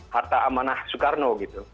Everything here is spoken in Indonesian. harta amanah soekarno gitu